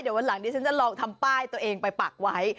เดี๋ยววันหลังนี้ฉันจะลองทำป้ายตัวเองไปปักไว้